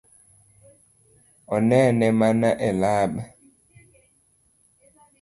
Onene malo e lab?